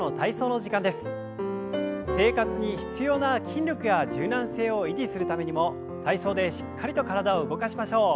生活に必要な筋力や柔軟性を維持するためにも体操でしっかりと体を動かしましょう。